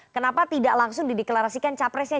kenapa tidak langsung dideklarasikan capresnya